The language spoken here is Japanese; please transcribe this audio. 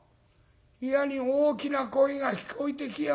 いやに大きな声が聞こえてきやがんな。